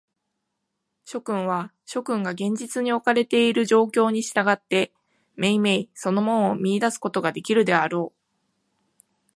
諸君は、諸君が現実におかれている状況に従って、めいめいその門を見出すことができるであろう。